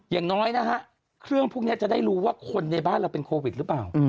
อย่างน้อยนะฮะเครื่องพวกนี้จะได้รู้ว่าคนในบ้านเราเป็นโควิดหรือเปล่า